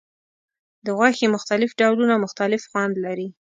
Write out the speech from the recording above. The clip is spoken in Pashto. د غوښې مختلف ډولونه مختلف خوند لري.